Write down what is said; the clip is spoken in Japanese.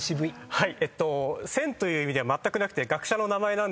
はい］